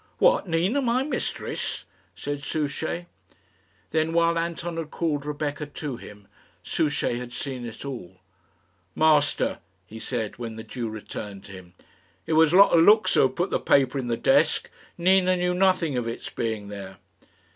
"What! Nina, my mistress?" said Souchey. Then, while Anton had called Rebecca to him, Souchey had seen it all. "Master," he said, when the Jew returned to him, "it was Lotta Luxa who put the paper in the desk. Nina knew nothing of its being there."